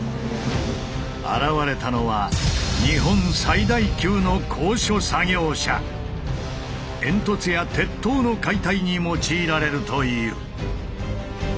現れたのは煙突や鉄塔の解体に用いられるという。